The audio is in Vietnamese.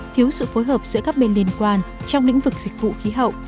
thiếu sự phối hợp giữa các bên liên quan trong lĩnh vực dịch vụ khí hậu